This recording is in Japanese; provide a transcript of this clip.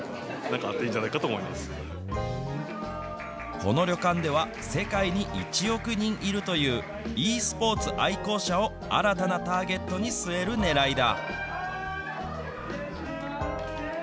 この旅館では、世界に１億人いるというｅスポーツ愛好者を新たなターゲットに据えるねらいだ。